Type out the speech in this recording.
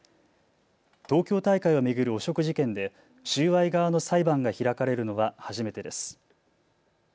東京大会を巡る汚職事件で収賄側の裁判が開かれるのは初めてです。